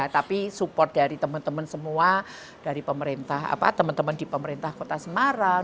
tapi support dari teman teman semua dari pemerintah teman teman di pemerintah kota semarang